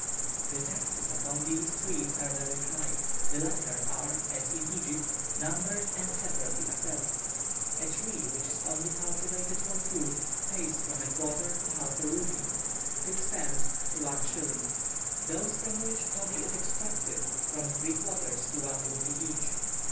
The taxes upon these trees are very high; the latter are, as in Egypt, numbered and separately assessed. A tree which is only cultivated for fruit, pays from a quarter to half a rupee (6d. to 1s.); those from which toddy is extracted, from three quarters to one rupee each.